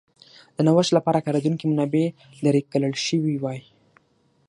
د نوښت لپاره کارېدونکې منابع لرې کړل شوې وای.